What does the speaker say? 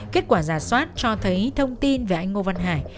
kết quả giả soát cho thấy thông tin về anh ngô văn hải